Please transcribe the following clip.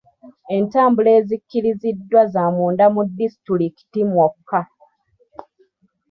Entambula ezikkiriziddwa za munda mu disitulikiti mwokka.